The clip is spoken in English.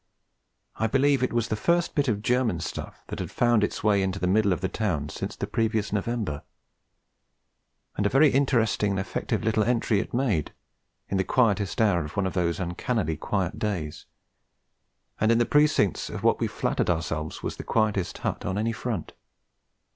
I believe it was the first bit of German stuff that had found its way into the middle of the town since the previous November; and a very interesting and effective little entry it made, in the quietest hour of one of those uncannily quiet days, and in the precincts of what we flattered ourselves was the quietest hut on any front.